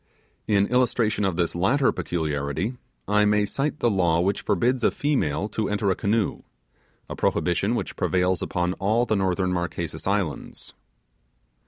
In illustration of this latter peculiarity, I may cite the law which forbids a female to enter a canoe a prohibition which prevails upon all the northern Marquesas Islands.